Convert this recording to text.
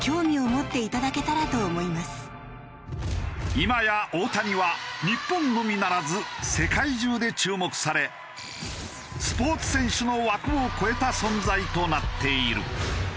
今や大谷は日本のみならず世界中で注目されスポーツ選手の枠を超えた存在となっている。